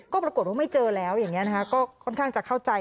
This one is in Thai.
ก็ปรากฏว่าไม่เจอแล้วอย่างนี้นะคะก็ค่อนข้างจะเข้าใจ